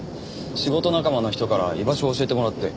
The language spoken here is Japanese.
仕事仲間の人から居場所を教えてもらって。